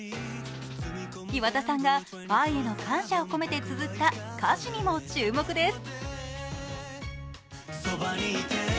岩田さんがファンへの感謝を込めてつづった歌詞にも注目です。